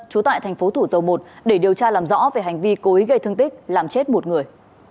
trú tại thành phố thủ dầu một để điều tra làm rõ về hành vi cố ý gây thương tích làm chết một người